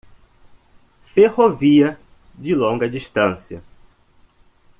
Ferrovia de longa distância